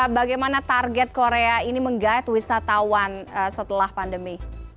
bagaimana target korea ini meng guide wisatawan setelah pandemi